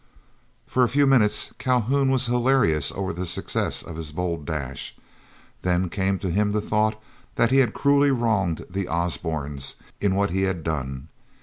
For a few minutes Calhoun was hilarious over the success of his bold dash; then came to him the thought that he had cruelly wronged the Osbornes in what he had done.